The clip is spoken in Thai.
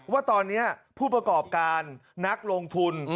ว่าตอนนี้ผู้ประกอบการนักลงทุน